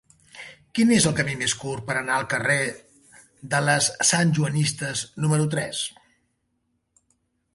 Quin és el camí més curt per anar al carrer de les Santjoanistes número tres?